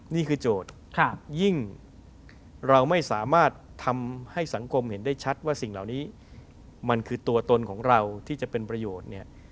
โจทย์ยิ่งเราไม่สามารถทำให้สังคมเห็นได้ชัดว่าสิ่งเหล่านี้มันคือตัวตนของเราที่จะเป็นประโยชน์เนี่ย